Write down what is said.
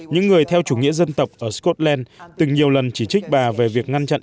những người theo chủ nghĩa dân tộc ở scotland từng nhiều lần chỉ trích bà về việc ngăn chặn